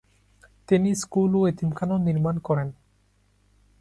তিনি স্কুল ও এতিমখানাও নির্মাণ করেন।